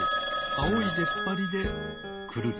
あおいでっぱりでクルリ。